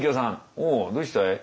「おうどうした？